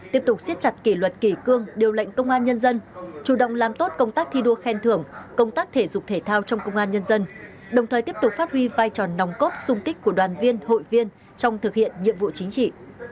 tiếp tục siết chặt kỷ luật kỷ cương điều lệnh công an nhân dân chủ động làm tốt công tác thi đua khen thưởng công tác thể dục thể thao trong công an nhân dân đồng thời tiếp tục phát huy vai trò nòng cốt sung kích của đoàn viên hội viên trong thực hiện nhiệm vụ chính trị